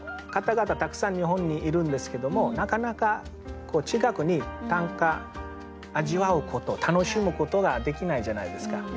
たくさん日本にいるんですけどもなかなか近くに短歌味わうこと楽しむことができないじゃないですか。